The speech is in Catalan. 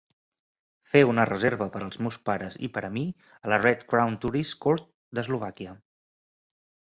Fer una reserva per als meus pares i per a mi a la Red Crown Tourist Court d'Eslovàquia